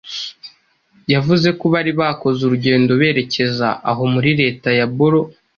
Yavuze ko bari bakoze urugendo berekeza aho muri leta ya Boro